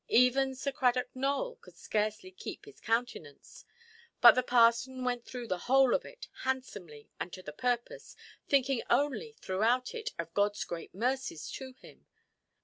Even Sir Cradock Nowell could scarcely keep his countenance; but the parson went through the whole of it handsomely and to the purpose, thinking only, throughout it, of Godʼs great mercies to him.